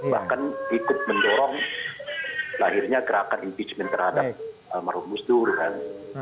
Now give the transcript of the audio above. bahkan ikut mendorong lahirnya gerakan impeachment terhadap almarhum gus dur kan